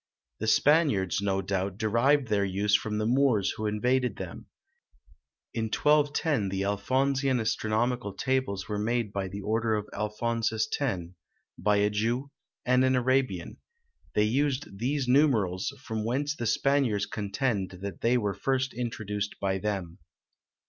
The Spaniards, no doubt, derived their use from the Moors who invaded them. In 1210, the Alphonsean astronomical tables were made by the order of Alphonsus X. by a Jew, and an Arabian; they used these numerals, from whence the Spaniards contend that they were first introduced by them.